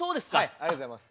ありがとうございます。